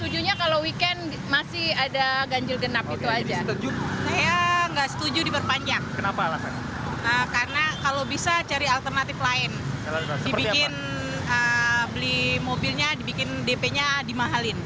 dibikin beli mobilnya dibikin dp nya dimahalin